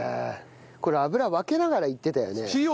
これ油分けながらいってたよね。